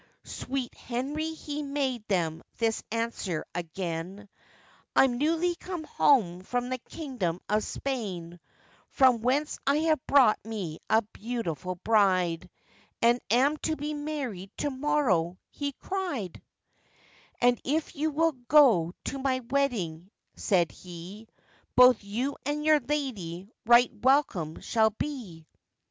Sweet Henry he made them this answer again; 'I am newly come home from the kingdom of Spain, From whence I have brought me a beautiful bride, And am to be married to morrow,' he cried; 'And if you will go to my wedding,' said he, 'Both you and your lady right welcome shall be.